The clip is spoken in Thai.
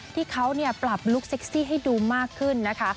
ที่เขาปรับลุคเซ็กซี่ให้ดูมากขึ้นนะคะ